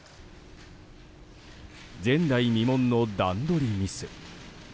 前代未聞の段取りミス。